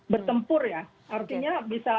bertempur ya artinya bisa